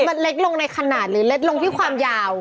มันเล็กลงในขนาดหรือเล็กลงที่ความยาว